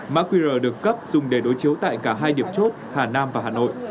mã qr được cấp dùng để đối chiếu tại cả hai điểm chốt hà nam và hà nội